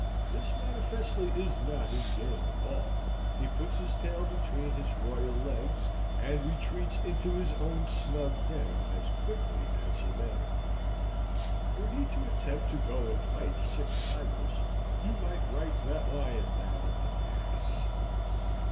This manifestly is not his game at all. He puts his tail between his royal legs, and retreats into his own snug den as quickly as he may. Were he to attempt to go and fight six tigers, you might write that Lion down an Ass.